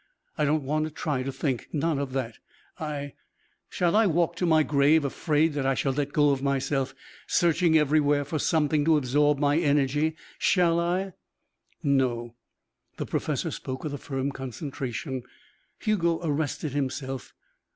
I don't want to try to think. Not of that. I " "Shall I walk to my grave afraid that I shall let go of myself, searching everywhere for something to absorb my energy? Shall I?" "No." The professor spoke with a firm concentration. Hugo arrested himself.